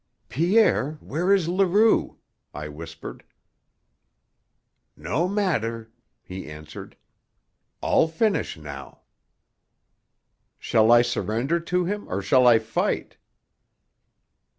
"Pierre, where is Leroux?" I whispered. "No matter," he answered. "All finish now." "Shall I surrender to him or shall I fight?"